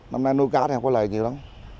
năm nay nuôi cá này không có lợi nhiều lắm